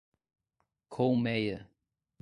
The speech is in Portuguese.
Colméia